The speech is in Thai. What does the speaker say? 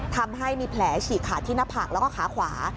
ทำให้มีแผลฉีกขาดที่หน้าผักแล้วก็ขาขวา